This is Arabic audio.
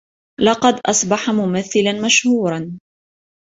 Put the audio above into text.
لقد أصبح ممثلا مشهورا.